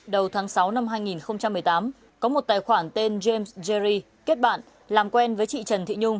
đầu tháng sáu năm hai nghìn một mươi tám có một tài khoản tên james jerry kết bạn làm quen với chị trần thị nhung